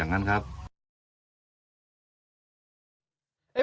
หมอปลาหรือไมธรรม